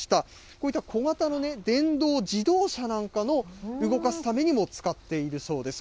こういった小型の電動自動車なんかを動かすためにも使っているそうです。